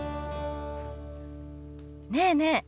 ねえねえ